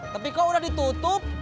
tapi kok udah ditutup